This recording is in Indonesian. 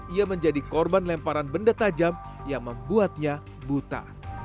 ia menjadi korban lemparan benda tajam yang membuatnya buta